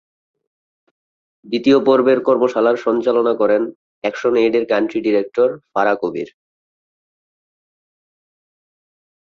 দ্বিতীয় পর্বের কর্মশালার সঞ্চালনা করেন অ্যাকশন এইডের কান্ট্রি ডিরেক্টর ফারাহ কবীর।